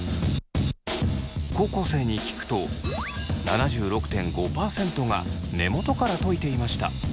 高校生に聞くと７６．５％が根元からといていました。